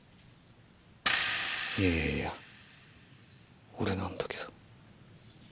いやいやいや俺なんだけど。